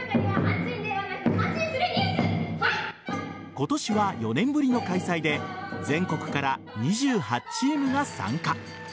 今年は４年ぶりの開催で全国から２８チームが参加。